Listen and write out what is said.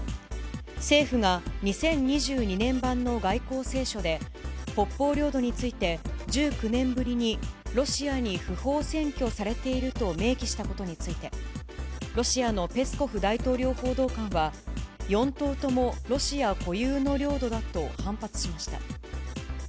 政府が２０２２年版の外交青書で、北方領土について、１９年ぶりにロシアに不法占拠されていると明記したことについて、ロシアのペスコフ大統領報道官は、四島ともロシア固有の領土だと反発しました。